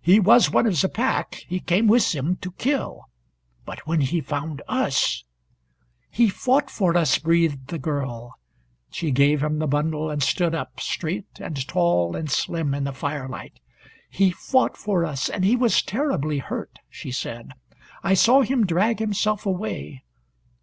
He was one of the pack. He came with them to kill. But when he found us " "He fought for us," breathed the girl. She gave him the bundle, and stood up, straight and tall and slim in the firelight. "He fought for us and he was terribly hurt," she said. "I saw him drag himself away.